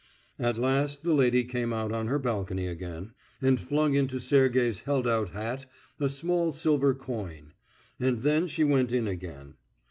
At last the lady came out on her balcony again, and flung into Sergey's held out hat a small silver coin. And then she went in again.